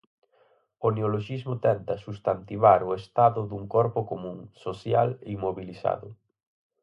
O neoloxismo tenta substantivar o estado dun corpo común, social, inmobilizado.